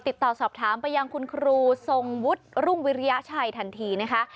ติดต่อสอบถามไปยังคุณครูทรงวุฒิรุ่งวิริยชัยทันทีนะคะ